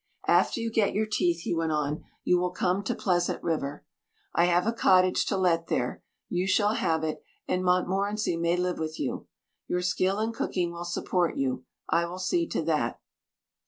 "After you get your teeth," he went on, "you will come to Pleasant River. I have a cottage to let there, you shall have it, and Montmorency may live with you. Your skill in cooking will support you. I will see to that."